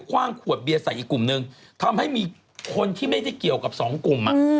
ว่างขวดเบียร์ใส่อีกกลุ่มนึงทำให้มีคนที่ไม่ได้เกี่ยวกับสองกลุ่ม